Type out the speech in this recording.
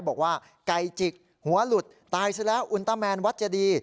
บอกว่าไก่จิกหัวหลุดตายซะแล้วอุลต้าแมนวัดเจดี